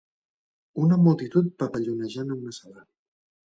Una multitud papallonejant a una sala